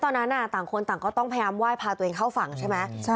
ตอนนั้นต่างคนต่างก็ต้องพยายามไหว้พาตัวเองเข้าฝั่งใช่ไหม